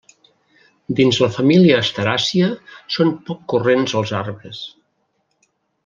Dins la família asteràcia són poc corrents els arbres.